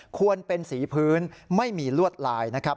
ควรเป็นสีพื้นไม่มีลวดลายนะครับ